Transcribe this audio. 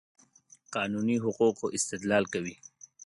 قانوني حقوقو استدلال کوي.